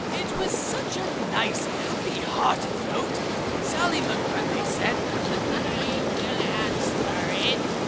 It was such a nice, happy hearted note Sally Migrundy said: "I will answer it!"